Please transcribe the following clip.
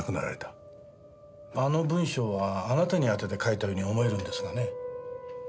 あの文章はあなたに宛てて書いたように思えるんですがね。